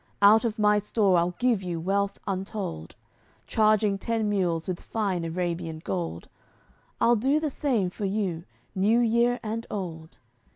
Out of my store I'll give you wealth untold, Charging ten mules with fine Arabian gold; I'll do the same for you, new year and old.